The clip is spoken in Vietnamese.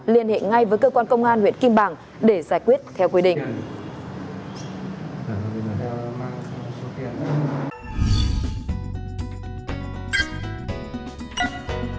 liên hệ ngay với cơ quan công an huyện kim bảng để giải quyết theo quy định